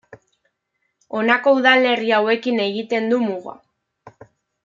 Honako udalerri hauekin egiten du muga.